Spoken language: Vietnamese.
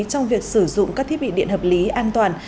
trong việc sử dụng các thiết bị điện hợp lý an toàn